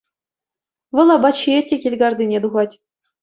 Вӑл апат ҫиет те килкартине тухать.